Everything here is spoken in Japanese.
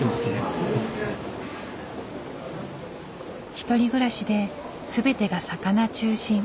１人暮らしで全てが魚中心。